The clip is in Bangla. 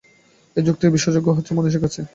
এই যুক্তিই বিশ্বাসযোগ্য হচ্ছে মানুষের কাছে।